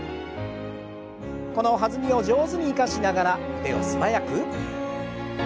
この弾みを上手に生かしながら腕を素早く。